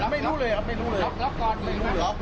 เราไม่รู้เลยครับรับการไม่รู้เลย